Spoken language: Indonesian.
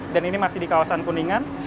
dan ini masih di kawasan kuningan